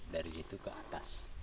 dari situ ke atas